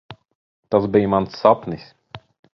Tas bija mans sapnis.